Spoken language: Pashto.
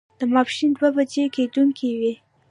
د ماسپښين دوه بجې کېدونکې وې.